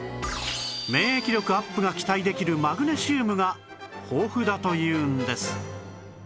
免疫力アップが期待できるマグネシウムが豊富だというんです